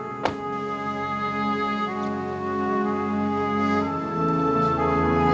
masa udah siap